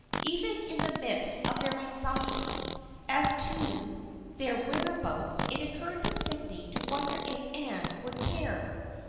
Even in the midst of their anxiety as to theii whereabouts it occurred to Sydney to wonder if Anne would care.